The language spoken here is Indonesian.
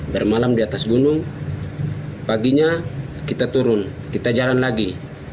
bermalam di atas gunung paginya kita turun kita jalan lagi